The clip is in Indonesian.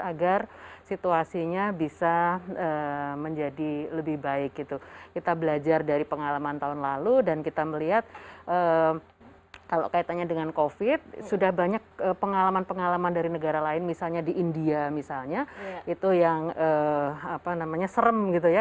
agar situasinya bisa menjadi lebih baik gitu kita belajar dari pengalaman tahun lalu dan kita melihat kalau kaitannya dengan covid sudah banyak pengalaman pengalaman dari negara lain misalnya di india misalnya itu yang apa namanya serem gitu ya